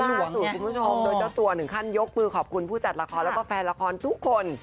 ลึกล่าสูตรคุณผู้ชมโดยเจ้าตัว๑ขั้นยกมือขอบคุณผู้จัดละครและแฟนละครทุกคน